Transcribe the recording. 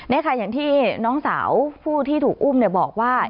นี่ค่ะอย่างที่น้องสาวผู้ที่ถูกอุ้มบอกว่า